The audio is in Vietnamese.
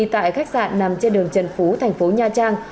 tại khách sạn nằm trên đường trần phú thành phố nha trang